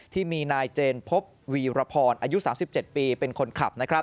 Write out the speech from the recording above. ที่มีนายเจนพบวีรพรอายุ๓๗ปีเป็นคนขับ